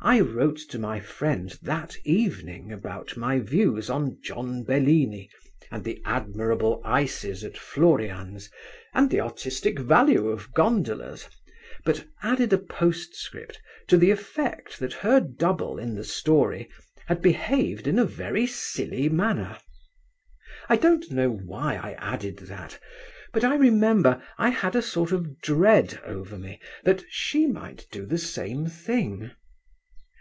I wrote to my friend that evening about my views on John Bellini, and the admirable ices at Florian's, and the artistic value of gondolas, but added a postscript to the effect that her double in the story had behaved in a very silly manner. I don't know why I added that, but I remember I had a sort of dread over me that she might do the same thing.